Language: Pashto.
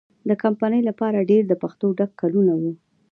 د کمپنۍ لپاره ډېر د پېښو ډک کلونه وو.